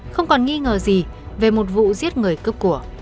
không còn nghi ngờ gì về một vụ giết người cướp của